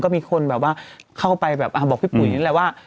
มีคนแบบว่าเข้าไปแบบบอกพี่ปุ๋ยนี่แหละว่า